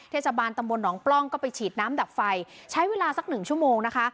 เทศบาลตำบลหนองปล้องก็ไปฉีดน้ำดับไฟใช้เวลาสักหนึ่งชั่วโมงนะคะ